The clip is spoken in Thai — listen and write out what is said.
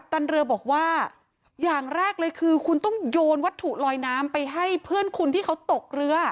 โดนวัตถุลอยน้ำไปให้เพื่อนคุณที่เขาตกเรือ